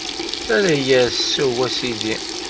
Terra-yas: Sew, a Sidi.